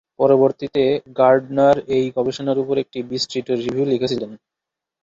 পরবর্তীতে গার্ডনার এই গবেষণার উপর একটি বিস্তৃত রিভিউ লিখেছিলেন।